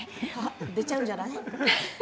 出ちゃうんじゃない？